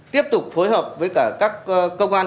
tiếp tục phối hợp với các công an